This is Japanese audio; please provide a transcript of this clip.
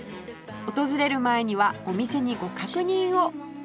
訪れる前にはお店にご確認を